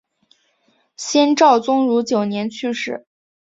先赵宗儒九年去世。